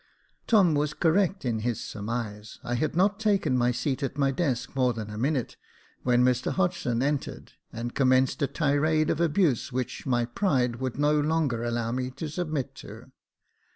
Tom was correct in his surmise. I had not taken my seat at my desk more than a minute, when Mr Hodgson entered, and commenced a tirade of abuse, which my pride could no longer allow me to submit to.